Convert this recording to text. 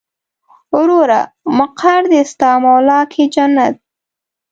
وروره مقر دې ستا مولا کې جنت.